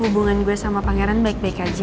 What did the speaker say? hubungan gue sama pangeran baik baik aja